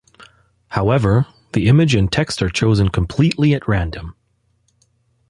However, the image and text are chosen completely at random.